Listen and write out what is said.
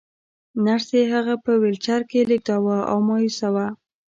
نرسې هغه په ويلچر کې لېږداوه او مايوسه وه.